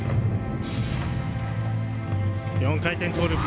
４回転トーループ。